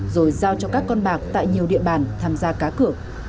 rồi giao cho các con bạc tại nhiều địa bàn tham gia cá cửa